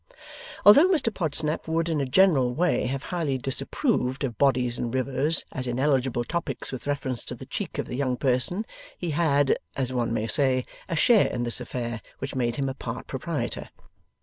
Although Mr Podsnap would in a general way have highly disapproved of Bodies in rivers as ineligible topics with reference to the cheek of the young person, he had, as one may say, a share in this affair which made him a part proprietor.